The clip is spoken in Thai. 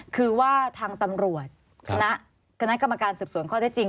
คือว่าทางตำรวจคณะกรรมการสืบสวนข้อได้จริง